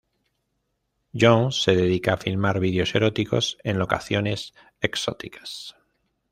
Jones se dedica a filmar videos eróticos en locaciones exóticas.